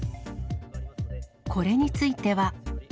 これについては。